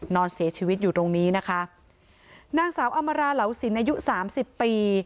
นอนเสียชีวิตอยู่ตรงนี้นะคะนางสาวอำมาราเหลาศิลป์อายุสามสิบปี